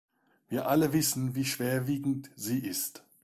Wir alle wissen, wie schwerwiegend sie ist.